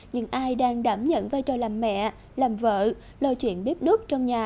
nhưng ai đang đảm nhận vai trò làm mẹ làm vợ lo chuyện bếp đốt trong nhà